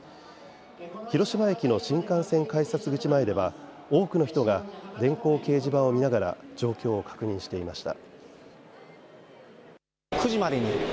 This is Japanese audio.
広島駅の新幹線改札口前では多くの人が電光掲示板を見ながら状況を確認していました。